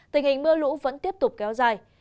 tình hình mưa lũ vẫn tiếp tục kéo dài